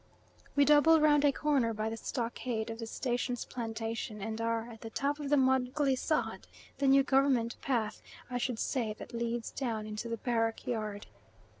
We double round a corner by the stockade of the station's plantation, and are at the top of the mud glissade the new Government path, I should say that leads down into the barrack yard.